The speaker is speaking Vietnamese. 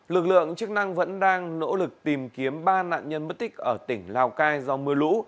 lực lượng chức năng vẫn đang nỗ lực tìm kiếm ba nạn nhân bất tích ở tỉnh lào cai do mưa lũ